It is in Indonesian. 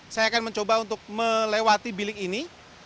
saya akan mencoba untuk melewati bilik ini